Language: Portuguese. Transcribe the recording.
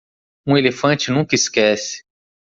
Um elefante nunca esquece.